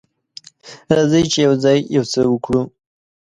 راځئ چې یوځای یو څه وکړو.